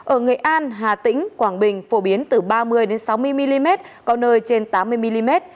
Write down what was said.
ở nghệ an hà tĩnh quảng bình phổ biến từ ba mươi sáu mươi mm có nơi trên tám mươi mm